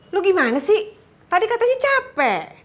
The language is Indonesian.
lu gimana sih tadi katanya capek